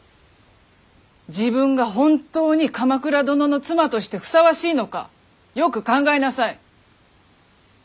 自分が本当に鎌倉殿の妻としてふさわしいのかよく考えなさい。